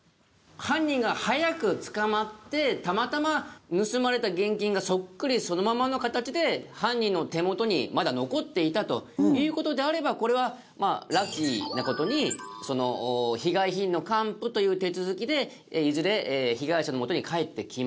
犯人が早く捕まってたまたま盗まれた現金がそっくりそのままの形で犯人の手元にまだ残っていたという事であればこれはラッキーな事に被害品の還付という手続きでいずれ被害者のもとに返ってきます。